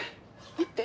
待って。